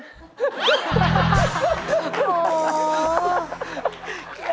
โอ้โห